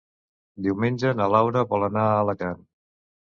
Diumenge na Laura vol anar a Alacant.